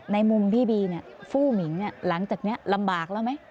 ในมุมพี่บีฟู้หมิงหลังจากนี้ลำบากแล้วไหม